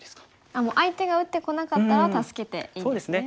あっもう相手が打ってこなかったら助けていいんですね。